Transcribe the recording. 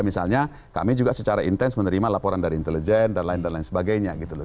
misalnya kami juga secara intens menerima laporan dari intelijen dan lain lain sebagainya gitu loh